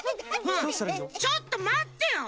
ちょっとまってよ！